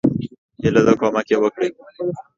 هیله ده کومک یی وکړي.